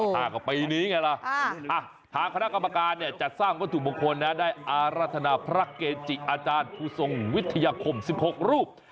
ถ้าก็ปีนี้ไงล่ะทางคณะกรรมการจัดสร้างวัตถุมงคลได้อารัฐนาพระเกจิอาจารย์ภูทศงวิทยาคมสิบหกรูป